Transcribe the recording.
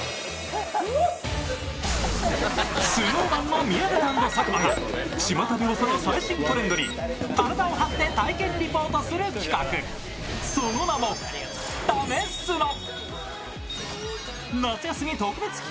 ＳｎｏｗＭａｎの宮舘＆佐久間がちまたの最新トレンドに体を張って体験リポートする企画、その名も「＃ためスノ」。